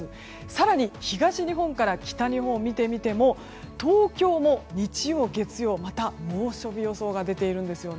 更に東日本から北日本を見ても東京も日曜、月曜とまた猛暑日予想が出ています。